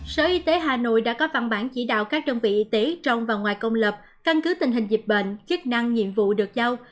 sở y tế hà nội đã có văn bản chỉ đạo các đơn vị y tế trong và ngoài công lập căn cứ tình hình dịch bệnh chức năng nhiệm vụ được giao